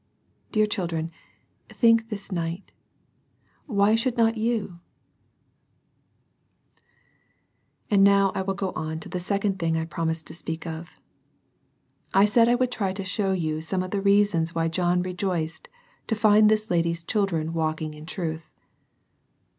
Dear children, think this night, " Why should not you ?" II. And now I will go on to the second thing I promised to speak of. I said I would try to show you some of the reasons why John rejoiced to find this ladys children walking in truth.